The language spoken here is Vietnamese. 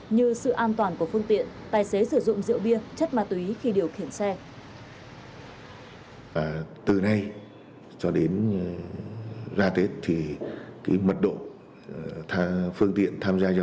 như sự an toàn của phương tiện tài xế sử dụng rượu bia chất ma túy khi điều khiển xe